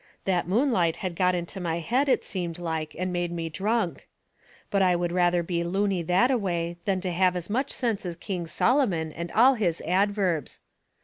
That moonlight had got into my head, it seemed like, and made me drunk. But I would rather be looney that a way than to have as much sense as King Solomon and all his adverbs.